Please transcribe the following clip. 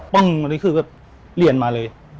ปึ้งคือแบบเหรียญมาเลย